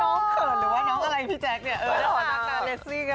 น้องเขินหรือว่าน้องอะไรพี่แจ๊คเนี่ย